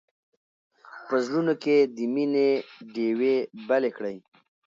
په زړونو کې د مینې ډېوې بلې کړئ.